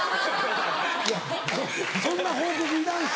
いやそんな報告いらんし。